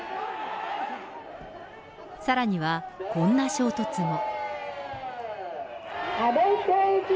さらにはこんな衝突も。